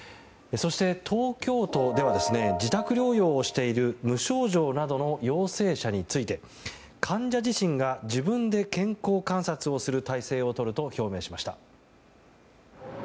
そして、東京都では自宅療養をしている無症状などの陽性者について患者自身が自分で健康観察をする体制をとると表明しました。